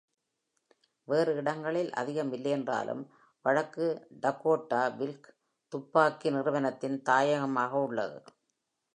வேறு இடங்களில் அதிகம் இல்லையென்றாலும், வடக்கு டகோட்டா வில்க் துப்பாக்கி நிறுவனத்தின் தாயகமாக உள்ளது.